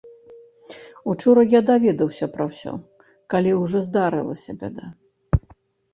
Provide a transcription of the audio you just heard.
Учора я даведаўся пра ўсё, калі ўжо здарылася бяда.